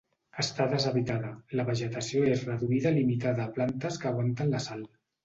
Està deshabitada; la vegetació és reduïda limitada a plantes que aguanten la sal.